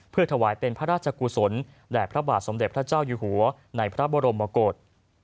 เพื่อถวายเป็นพระราชกุศลแด่พระบาทสมเด็จพระเจ้าอยู่หัวในพระบรมกฏ